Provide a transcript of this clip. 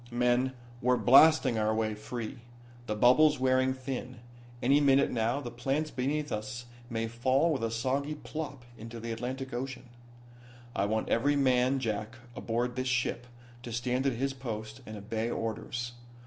"Men, we're blasting our way free. The bubble's wearing thin. Any minute now the plants beneath us may fall with a soggy plop into the Atlantic Ocean. "I want every man jack aboard this ship to stand at his post and obey orders.